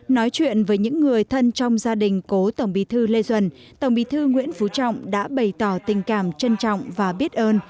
nói chuyện với những người thân trong gia đình cố tổng bí thư lê duẩn tổng bí thư nguyễn phú trọng đã bày tỏ tình cảm trân trọng và biết ơn